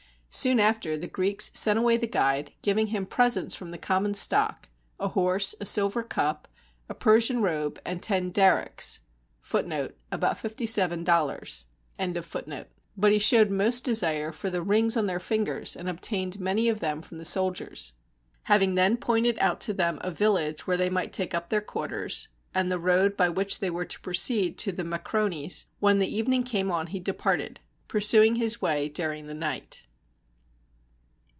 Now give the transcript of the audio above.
Soon after, the Greeks sent away the guide, giving him presents from the com mon stock, a horse, a silver cup, a Persian robe, and ten darics;^ but he showed most desire for the rings on their fingers, and obtained many of them from the soldiers. Having then pointed out to them a village where they might take up their quarters, and the road by which they were to proceed to the ]\Iacrones, when the evening came on he departed, pursuing his way during the night.